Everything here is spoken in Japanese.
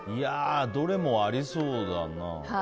どれもありそうだな。